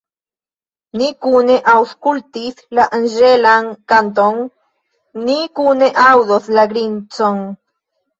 Ni kune aŭskultis la anĝelan kanton, ni kune aŭdos la grincon.